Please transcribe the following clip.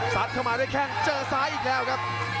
เข้ามาด้วยแข้งเจอซ้ายอีกแล้วครับ